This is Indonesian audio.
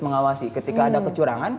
mengawasi ketika ada kecurangan